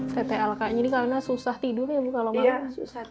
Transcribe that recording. tetek alka ini karena susah tidurnya kalau malam